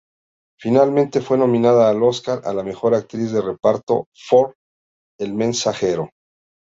Finalmente, fue nominada al Oscar a la mejor actriz de reparto for "El mensajero".